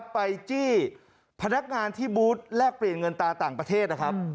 จี้พนักงานที่บูธแลกเปลี่ยนเงินตาต่างประเทศนะครับ